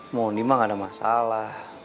mohon dimang ada masalah